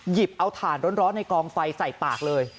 หยิบเอาถ่านร้อนในกองไฟใส่ปากเลย